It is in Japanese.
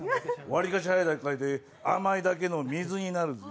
わりかし早い段階で、甘いだけの水になるぜ。